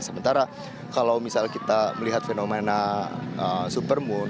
sementara kalau misal kita melihat fenomena supermoon